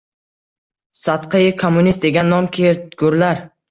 Sadqai kommunist degan nom ketgurlar.